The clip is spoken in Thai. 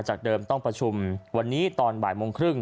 เดิมต้องประชุมวันนี้ตอนบ่ายโมงครึ่ง